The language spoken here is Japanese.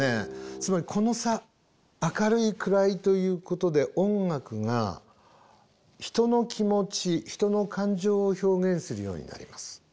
つまりこの差明るい暗いということで音楽が人の気持ち人の感情を表現するようになります。